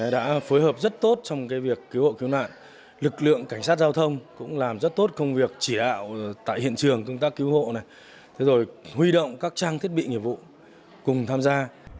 đã phối hợp rất tốt trong việc cứu hộ cứu nạn lực lượng cảnh sát giao thông cũng làm rất tốt công việc chỉ đạo tại hiện trường công tác cứu hộ huy động các trang thiết bị nghiệp vụ cùng tham gia